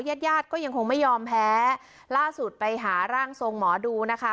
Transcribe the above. ญาติญาติก็ยังคงไม่ยอมแพ้ล่าสุดไปหาร่างทรงหมอดูนะคะ